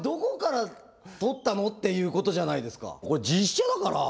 これ実写だから。